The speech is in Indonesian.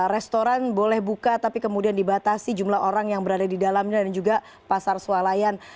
restoran boleh buka tapi kemudian dibatasi jumlah orang yang berada di dalamnya dan juga pasar sualayan